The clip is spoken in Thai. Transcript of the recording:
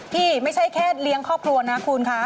ไม่ใช่แค่เลี้ยงครอบครัวนะคุณคะ